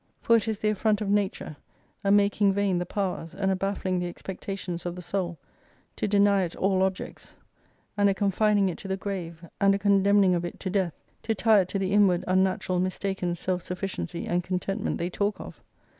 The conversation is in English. For it is the affront of nature, a making vain the powers, and a baffling the expectations of the soul, to deny it all objects, and a confining it to the grave, and a condemn ing of it to death, to tie it to the inward unnatural mis taken self sufficiency and contentment they talk of.